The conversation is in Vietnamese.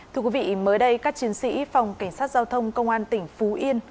thưa quý vị mới đây các chiến sĩ phòng cảnh sát giao thông công an tỉnh phú yên